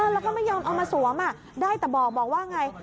แล้วก็ไม่ยอมเอามาสวมได้แต่บอกว่าไง